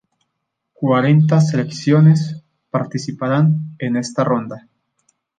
Cuarenta selecciones participarán en esta ronda.